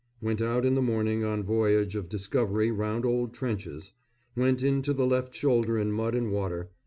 Went out in the morning on voyage of discovery round old trenches. Went in to the left shoulder in mud and water.